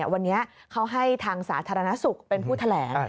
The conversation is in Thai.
วันนี้เขาให้ทางสาธารณสุขเป็นผู้แถลง